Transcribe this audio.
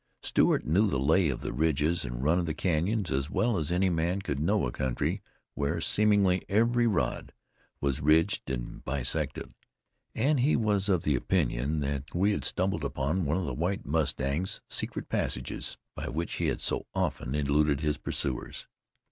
Stewart knew the lay of the ridges and run of the canyons as well as any man could know a country where, seemingly, every rod was ridged and bisected, and he was of the opinion that we had stumbled upon one of the White Mustang's secret passages, by which he had so often eluded his pursuers.